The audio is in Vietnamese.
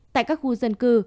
tại các khu dân cư